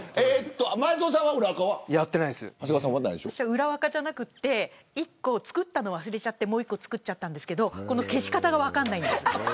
裏アカじゃなくて１個作ったの忘れてもう一つ作っちゃったんですけど消し方が分からないです。